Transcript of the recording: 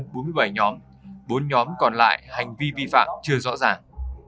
bốn mươi bảy nhóm bốn nhóm còn lại hành vi vi phạm chưa rõ ràng